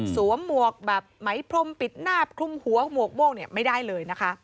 สวมมวกแบบไหมพรมปิดหน้าพรุ่มหัวมวกโบ้งไม่ได้เลย